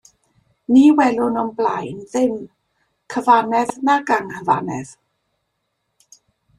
Ni welwn o'm blaen ddim, cyfannedd nag anghyfannedd.